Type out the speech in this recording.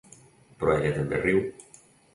Però ella també riu.